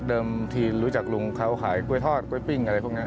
ทีรู้จักลุงเขาขายกล้วยทอดกล้วยปิ้งอะไรพวกนี้